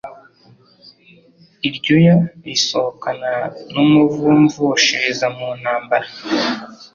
Iryoya risohokana n'umuvu mvushiriza mu ntambara.